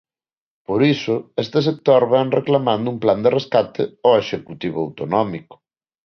Por iso este sector vén reclamando un plan de rescate ao executivo autonómico.